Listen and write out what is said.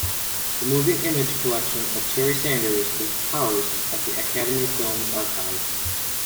The moving image collection of Terry Sanders is housed at the Academy Film Archive.